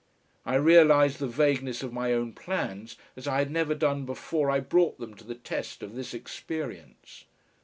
I realised the vagueness of my own plans as I had never done before I brought them to the test of this experience.